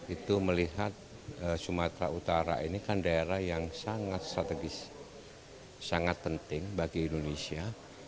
itu melihat sumatera utara ini kan daerah yang sangat strategis sangat penting bagi indonesia